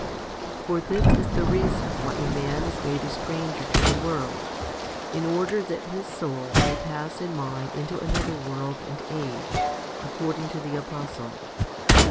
2. For this is the reason why a man is made a stranger to the world, in order that his soul may pass in mind into another world and age, according to the apostle.